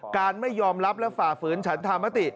ไม่ยอมรับและฝ่าฝืนฉันธรรมติ